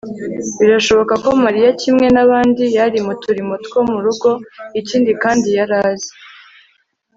birashoboka ko mariya kimwe n'abandi yari mu turimo two mu rugo. ikindi kandi yari azi